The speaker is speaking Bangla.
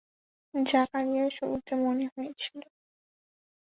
জাকারিয়ার শুরুতে মনে হয়েছিল।